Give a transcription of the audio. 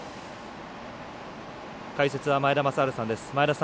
解説は前田正治さんです。